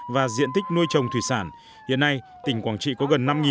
hai nghìn một mươi chín và diện tích nuôi trồng thủy sản hiện nay tỉnh quảng trị có gần